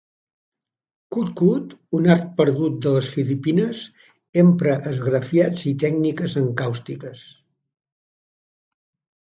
Kut-kut, un art perdut de les Filipines, empra esgrafiats i tècniques encàustiques.